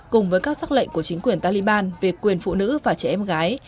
cùng với các xác lệnh của chính quyền taliban về quyền phụ nữ và trẻ em gái